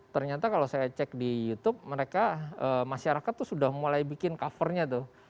ternyata kalau saya cek di youtube mereka masyarakat tuh sudah mulai bikin covernya tuh